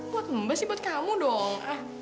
buat mbak sih buat kamu dong